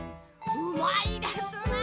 うまいですね。